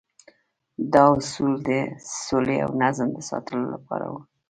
دا اصول د سولې او نظم د ساتلو لپاره وو.